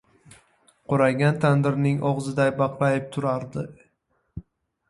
Qoraygan tandirning og‘ziday baqrayib turardi.